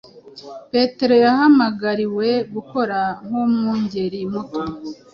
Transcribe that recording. Petero yahamagariwe gukora nk’umwungeri muto